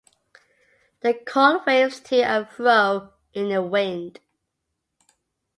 The corn waves to and fro in the wind.